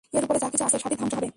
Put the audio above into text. এর উপরে যা কিছু আছে সবই ধ্বংস হবে।